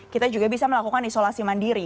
kita juga bisa melakukan isolasi mandiri